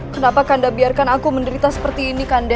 kenapa kanda biarkan aku menderita seperti ini kanda